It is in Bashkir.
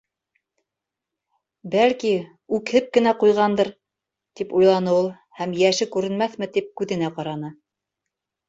«Бәлки, үкһеп кенә ҡуйғандыр», —тип уйланы ул һәм йәше күренмәҫме тип күҙенә ҡараны.